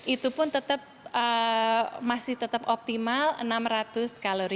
itu pun tetap masih tetap optimal enam ratus kalori